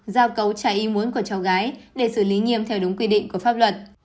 giao cấu trái ý muốn của cháu gái để xử lý nghiêm theo đúng quy định của pháp luật